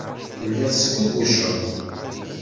Telliḍ tesguguceḍ.